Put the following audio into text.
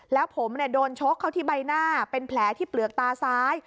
แล้วผมโดนชกเข้าที่ใบหน้าเป็นแผลที่เปลือกตาซ้าย